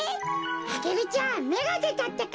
アゲルちゃんめがでたってか。